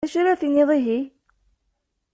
D acu ara d-tiniḍ ihi?